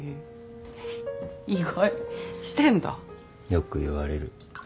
よく言われる。